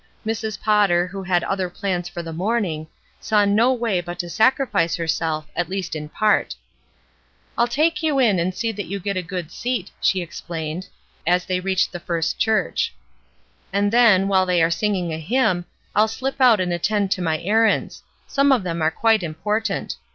Mrs. Potter, who had other plans for the morning, saw no way but to sacrifice herself, at least in part. "I'll take you in and see that you get a good seat," she explained, as they reached the First Church, "and then, while they are singing a hymn, I'll slip out and attend to my errands; some of them are quite important.